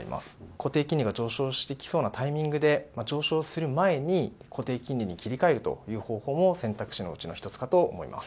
固定金利が上昇してきそうなタイミングで、上昇する前に固定金利に切り替えるという方法も選択肢のうちの一つかと思います。